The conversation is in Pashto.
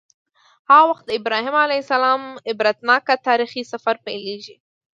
هغه وخت د ابراهیم علیه السلام عبرتناک تاریخي سفر پیلیږي.